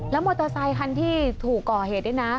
แล้วมอเตอร์ไซคันที่ถูกก่อเหตุด้วยนะ